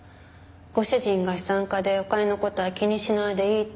ご主人が資産家でお金の事は気にしないでいいって言うし。